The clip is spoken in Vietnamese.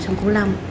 sông củ long